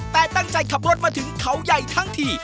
แต่ตั้งใจขับรถมาถึงเขาใหญ่ทั้งที